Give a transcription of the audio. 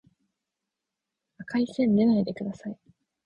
赤い線でないでください